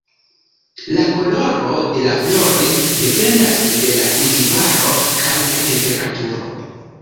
La koloro de la floroj dependas de la kultivaro kaj la temperaturo.